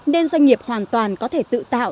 nên doanh nghiệp hoàn toàn có thể tự tạo